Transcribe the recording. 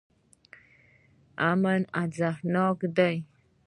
امن ارزښتناک دی.